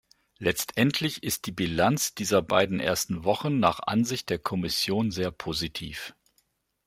Letztendlich ist die Bilanz dieser beiden ersten Wochen nach Ansicht der Kommission sehr positiv.